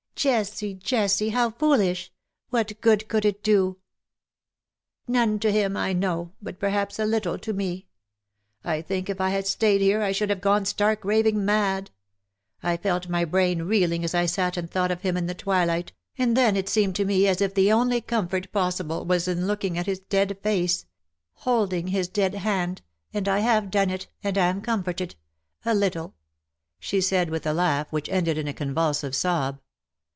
''^" Jessie, Jessie, how foolish ! What good could it do ?''^ None to him, I know, but perhaps a little to me. I think if I had stayed here I should have gone stark, staring mad. I felt my brain reeling as I sat and thought of him in the twilight, and then it seemed to me as if the only comfort possible was in looking at his dead face — holding his dead hand " YOURS ON MONDAY, GOd's TO DAY." 37 — and I liave done it, and am comforted — a little/^ she said, with a laugh, which ended in a convulsive sob.